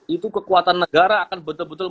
itu kekuatan negara akan betul betul